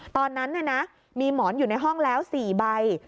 ตอนนั้นมีหมอนอยู่ในห้องแล้ว๔ใบ